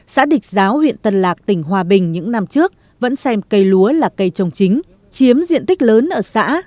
xã địch giáo huyện tân lạc tỉnh hòa bình những năm trước vẫn xem cây lúa là cây trồng chính chiếm diện tích lớn ở xã